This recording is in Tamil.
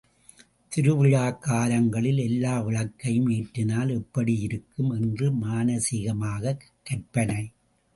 திருவிழாக்காலங்களில் எல்லா விளக்கையும் ஏற்றினால் எப்படியிருக்கும் என்று மானசீகமாகக் கற்பனை.